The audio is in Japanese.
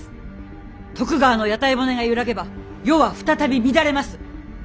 徳川の屋台骨が揺らげば世は再び乱れます。